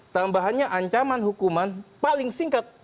tambahannya ancaman hukuman paling singkat